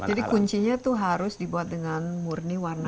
jadi kuncinya itu harus dibuat dengan murni warna alam